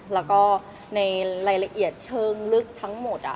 แล้วก็ในรายละเอียดเชิงลึกทั้งหมด